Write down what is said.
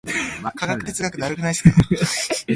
The hotel also has meeting and banquet facilities.